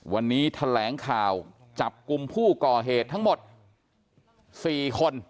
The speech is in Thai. วันนี้แถลงข่าวจับกลุ่มผู้ก่อเหตุทั้งหมด๔คน